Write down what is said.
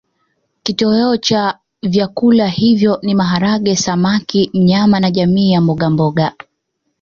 Kitoweo cha vyakula hivyo ni maharage samaki nyama na jamii ya mbogamboga